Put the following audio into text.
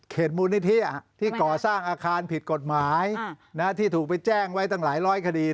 มูลนิธิที่ก่อสร้างอาคารผิดกฎหมายที่ถูกไปแจ้งไว้ตั้งหลายร้อยคดี